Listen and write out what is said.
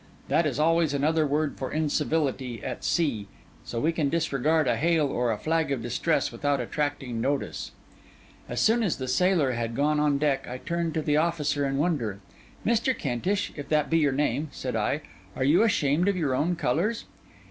That is always another word for incivility at sea; so we can disregard a hail or a flag of distress, without attracting notice.' As soon as the sailor had gone on deck, I turned to the officer in wonder. 'Mr. Kentish, if that be your name,' said I, 'are you ashamed of your own colours?